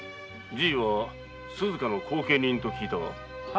じぃは鈴加の後見人と聞いたが？